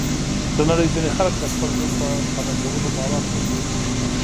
د نړۍ ځینې خلک د خپل ژوند په ساده کولو باور لري.